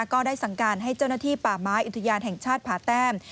ก็ได้สั่งการให้เจ้าหน้าที่ป่าไม้อุทยานแห่งชาติผาแต้ม